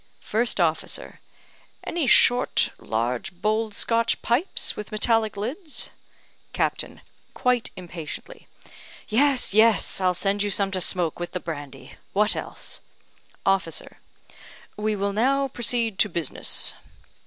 First officer: "Any short, large bowled, Scotch pipes, with metallic lids?" Captain (quite impatiently): "Yes, yes; I'll send you some to smoke, with the brandy. What else?" Officer: "We will now proceed to business."